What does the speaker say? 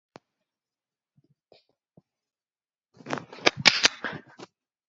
Company founder Lance Collins was named head of innovation and strategy.